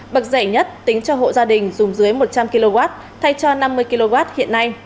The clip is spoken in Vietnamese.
bậc rẻ nhất tính cho hộ gia đình dùng dưới một trăm linh kw thay cho năm mươi kw hiện nay